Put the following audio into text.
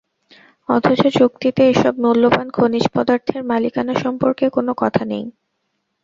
অথচ চুক্তিতে এসব মূল্যবান খনিজ পদার্থের মালিকানা সম্পর্কে কোনো কথা নেই।